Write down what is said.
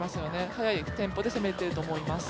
速いテンポで攻めていると思います。